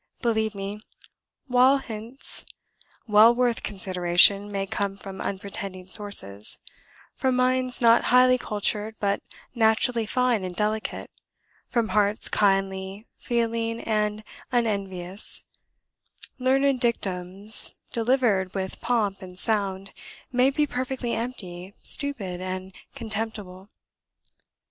Believe me, while hints well worth consideration may come from unpretending sources, from minds not highly cultured, but naturally fine and delicate, from hearts kindly, feeling, and unenvious, learned dictums delivered with pomp and sound may be perfectly empty, stupid, and contemptible.